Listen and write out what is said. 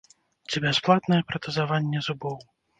Ці бясплатнае пратэзаванне зубоў.